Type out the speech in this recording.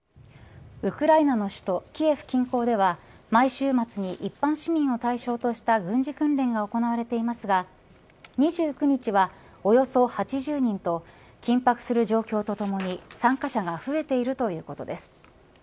ウクライナの首都キエフ近郊では前週末に一般市民を対象とした軍事訓練が行われていますが２９日は、およそ８０人と緊迫する状況とともに参加者が増えているということです。